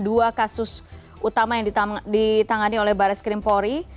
perkembangan dua kasus utama yang ditangani oleh bareskrim polri